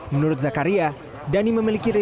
menurut zakaria dhani memiliki resiko